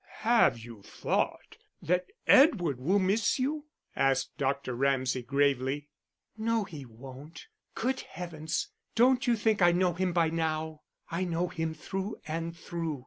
"Have you thought that Edward will miss you?" asked Dr. Ramsay, gravely. "No, he won't. Good heavens, don't you think I know him by now? I know him through and through.